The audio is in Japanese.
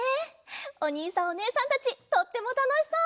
おにいさんおねえさんたちとってもたのしそう！